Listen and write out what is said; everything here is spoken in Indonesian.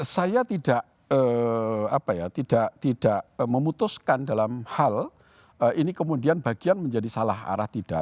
saya tidak memutuskan dalam hal ini kemudian bagian menjadi salah arah tidak